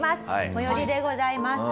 最寄りでございます。